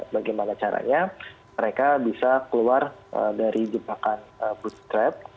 bagaimana caranya mereka bisa keluar dari jebakan bootstrapping